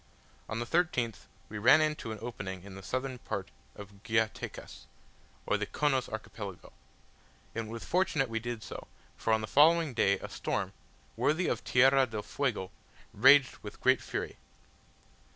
On the 13th we ran into an opening in the southern part of Guayatecas, or the Chonos Archipelago; and it was fortunate we did so, for on the following day a storm, worthy of Tierra del Fuego, raged with great fury.